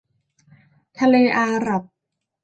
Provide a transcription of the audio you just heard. ทะเลอาหรับ